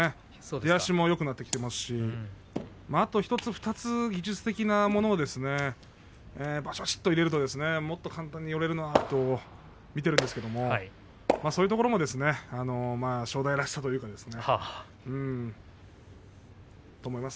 出足もよくなってきていますしあと１つ２つ技術的なものをばしっと入れるといいなと見ているんですけれどもそういうところが正代らしさと思いますね。